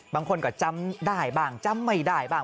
บางคนก็จำได้บ้างจำไม่ได้บ้าง